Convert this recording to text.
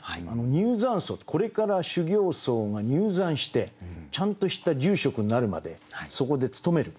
「入山僧」ってこれから修行僧が入山してちゃんとした住職になるまでそこでつとめる。